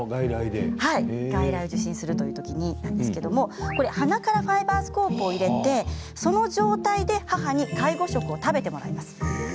外来を受診するときなんですけれども鼻からファイバースコープを入れて、その状態で母に介護食を食べてもらいます。